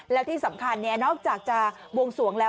แล้วที่สำคัญนอกจากจะบวงสวงแล้ว